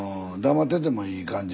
黙っててもいい感じ